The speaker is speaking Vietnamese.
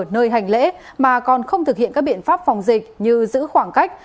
nơi hành lễ mà còn không thực hiện các biện pháp phòng dịch như giữ khoảng cách